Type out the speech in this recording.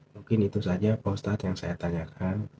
mungkin itu saja pak ustadz yang saya tanyakan